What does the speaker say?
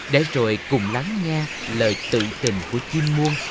để rồi cùng lắng nghe lời tự tình của chuyên môn